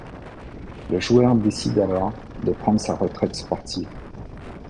Le joueur décide alors de prendre sa retraite sportive.